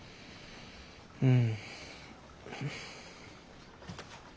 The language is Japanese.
うん。